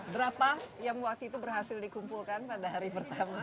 berapa yang waktu itu berhasil dikumpulkan pada hari pertama